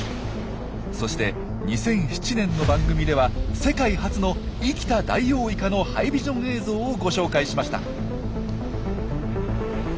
そして２００７年の番組では世界初の生きたダイオウイカのハイビジョン映像をご紹介しました。